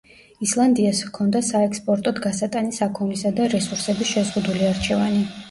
ისლანდიას ჰქონდა საექსპორტოდ გასატანი საქონლისა და რესურსების შეზღუდული არჩევანი.